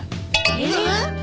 えっ！？